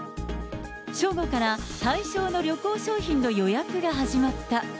正午から対象の旅行商品の予約が始まった。